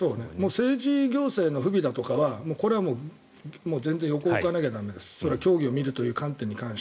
政治行政の不備だとかはこれは全然横に置かないと駄目です。